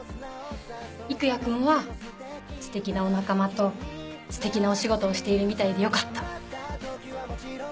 育哉君はステキなお仲間とステキなお仕事をしているみたいでよかった。